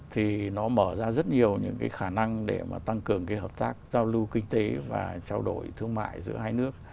thì nó mở ra rất nhiều những cái khả năng để mà tăng cường cái hợp tác giao lưu kinh tế và trao đổi thương mại giữa hai nước